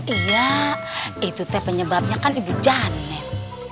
iya itu teh penyebabnya kan ibu janet